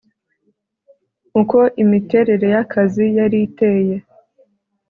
uko imiterere y'akazi yari iteye